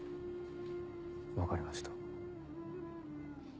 分かりました。